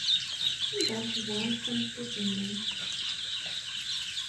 Anda ay teẓramt tameṭṭut-nni?